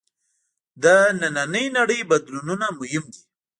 د نننۍ نړۍ بدلونونه مهم دي.